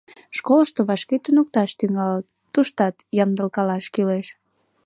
Школышто вашке туныкташ тӱҥалыт — туштат ямдылкалаш кӱлеш...